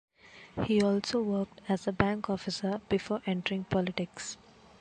He also worked as a bank officer before entering politics.